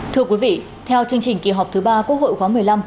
thưa quý vị theo chương trình kỳ họp thứ ba quốc hội khóa một mươi năm